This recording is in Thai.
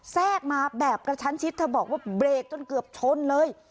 แทรกมาแบบกระชั้นชิดเธอบอกว่าเบรกจนเกือบชนเลย